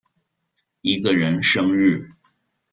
一個人生日